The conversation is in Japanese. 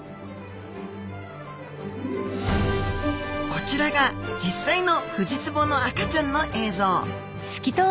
こちらが実際のフジツボの赤ちゃんの映像。